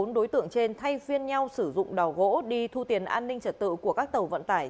bốn đối tượng trên thay phiên nhau sử dụng đào gỗ đi thu tiền an ninh trật tự của các tàu vận tải